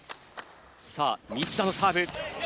西田のサーブ。